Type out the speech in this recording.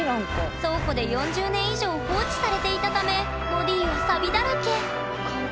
倉庫で４０年以上放置されていたためボディーはサビだらけホカホカ